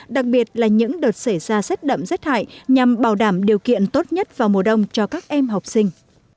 đặc biệt là những đợt xảy ra rét đậm rét hại nhằm bảo đảm điều kiện tốt nhất vào mùa đông cho các em học sinh